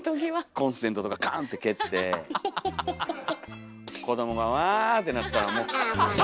コンセントとかカン！って蹴って子どもがワァってなってたらもう。